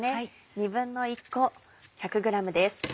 １／２個１００ｇです。